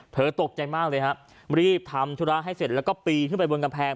ตกใจมากเลยฮะรีบทำธุระให้เสร็จแล้วก็ปีนขึ้นไปบนกำแพง